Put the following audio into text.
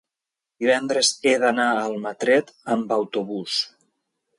divendres he d'anar a Almatret amb autobús.